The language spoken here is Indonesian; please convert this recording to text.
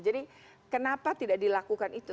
kenapa tidak dilakukan itu